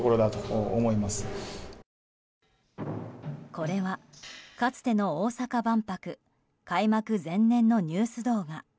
これは、かつての大阪万博開幕前年のニュース動画。